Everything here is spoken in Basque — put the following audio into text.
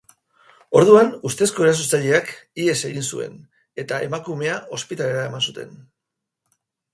Orduan, ustezko erasotzaileak ihes egin zuen, eta emakumea ospitalera eraman zuten.